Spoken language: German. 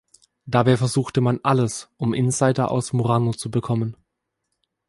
Dabei versuchte man alles, um Insider aus Murano zu bekommen.